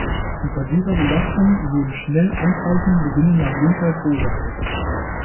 Unter dieser Belastung wurden schnell Anzeichen beginnender Blindheit beobachtet.